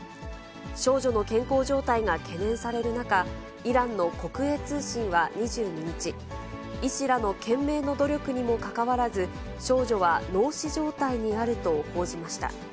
少女の健康状態が懸念される中、イランの国営通信は２２日、医師らの懸命の努力にもかかわらず、少女は脳死状態にあると報じました。